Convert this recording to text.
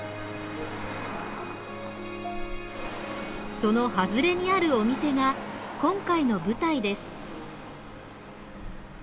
その外れにあるお店が今回の舞台です。